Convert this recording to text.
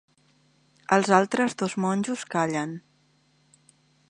Els altres dos monjos callen.